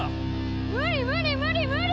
無理無理無理無理！